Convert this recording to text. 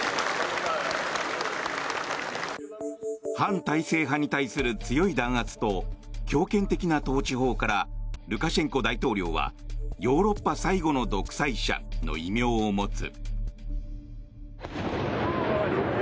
反体制派に対する強い弾圧と強権的な統治法からルカシェンコ大統領はヨーロッパ最後の独裁者の異名を持つ。